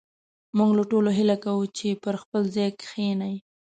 موږ له ټولو هيله کوو چې پر خپل ځاى کښېنئ